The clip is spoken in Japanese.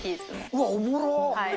うわっ、おもろ。